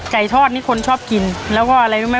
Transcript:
ทอดนี่คนชอบกินแล้วก็อะไรรู้ไหม